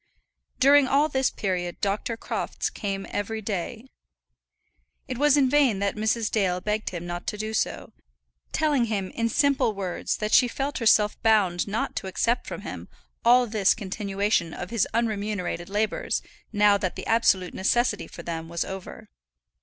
During all this period Dr. Crofts came every day. It was in vain that Mrs. Dale begged him not to do so; telling him in simple words that she felt herself bound not to accept from him all this continuation of his unremunerated labours now that the absolute necessity for them was over.